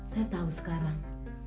saya tahu sekarang